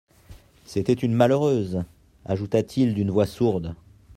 C'était une malheureuse ! ajouta-t-il d'une voix sourde.